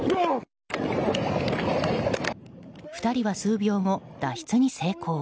２人は数秒後、脱出に成功。